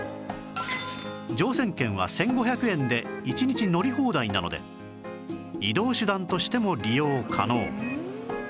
乗船券は１５００円で一日乗り放題なので移動手段としても利用可能